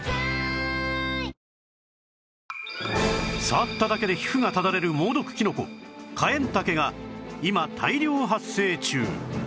触っただけで皮膚がただれる猛毒キノコカエンタケが今大量発生中！